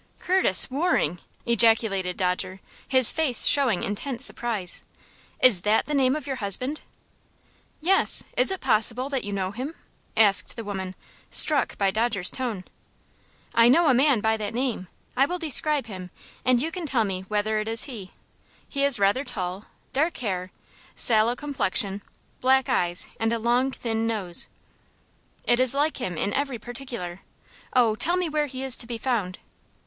"Curtis Waring!" ejaculated Dodger, his face showing intense surprise. "Is that the name of your husband?" "Yes. Is it possible that you know him?" asked the woman, struck by Dodger's tone. "I know a man by that name. I will describe him, and you can tell me whether it is he. He is rather tall, dark hair, sallow complexion, black eyes, and a long, thin nose." "It is like him in every particular. Oh, tell me where he is to be found?"